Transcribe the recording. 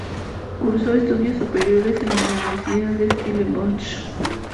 Cursó estudios superiores en la Universidad de Stellenbosch.